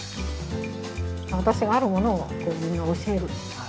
私があるものを教える。